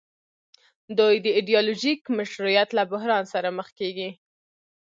دوی د ایډیولوژیک مشروعیت له بحران سره مخ کیږي.